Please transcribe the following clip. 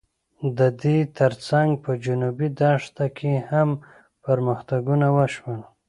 د دې تر څنګ په جنوبي دښته کې هم پرمختګونه وشول.